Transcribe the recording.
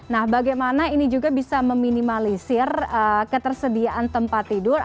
nah bagaimana ini juga bisa meminimalisir ketersediaan tempat tidur